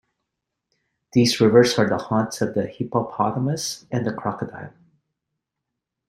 These rivers are the haunts of the hippopotamus and the crocodile.